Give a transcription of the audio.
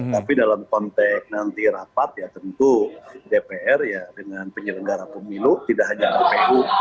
tapi dalam konteks nanti rapat ya tentu dpr ya dengan penyelenggara pemilu tidak hanya kpu